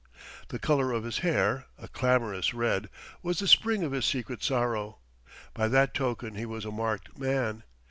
The colour of his hair, a clamorous red, was the spring of his secret sorrow. By that token he was a marked man.